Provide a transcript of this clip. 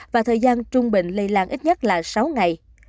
và thời gian trung bình lây lan ít nhất là sáu ngày